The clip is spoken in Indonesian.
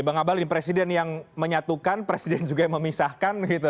bang abalin presiden yang menyatukan presiden juga yang memisahkan gitu